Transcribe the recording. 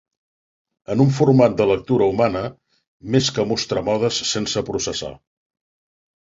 en un format de lectura humana, més que mostrar modes sense processar.